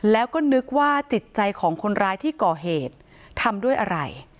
แล้วก็นึกว่าจิตใจของคนร้ายที่ก่อเหตุทำด้วยอะไร